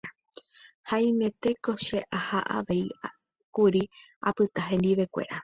haimetéko che aha avei kuri apyta hendivekuéra